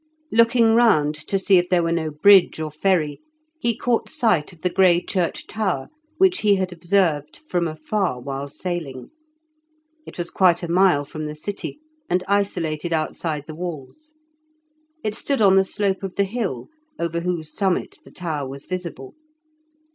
Looking round to see if there were no bridge or ferry, he caught sight of the grey church tower which he had observed from afar while sailing. It was quite a mile from the city, and isolated outside the walls. It stood on the slope of the hill, over whose summit the tower was visible.